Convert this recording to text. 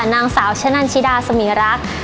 นางสาวชะนันชิดาสมีรักษ์